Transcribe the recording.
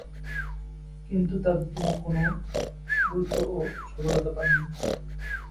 কিন্তু তাতে তিনি কোন গুরুত্ব ও সফলতা পাননি।